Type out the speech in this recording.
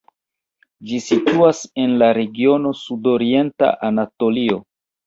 Ĝi situas en la regiono Sudorienta Anatolio.